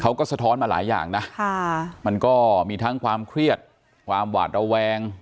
สะท้อนมาหลายอย่างนะมันก็มีทั้งความเครียดความหวาดระแวง